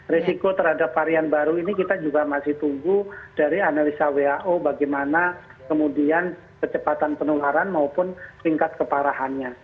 risiko terhadap varian baru ini kita juga masih tunggu dari analisa who bagaimana kemudian kecepatan penularan maupun tingkat keparahannya